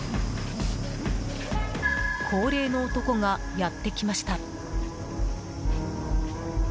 高齢の男がやってきました。